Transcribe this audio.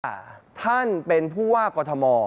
อ่าท่านเป็นผู้ว่ากอทม